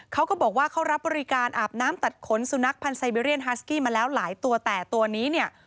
เขาก็บอกว่าเขารับบริการอาบน้ำตัดขนซูนักพันมาแล้วหลายตัวแต่ตัวนี้เนี้ย